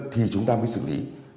thì chúng ta mới xử lý